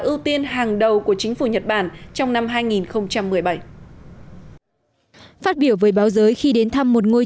ưu tiên hàng đầu của chính phủ nhật bản trong năm hai nghìn một mươi bảy phát biểu với báo giới khi đến thăm một ngôi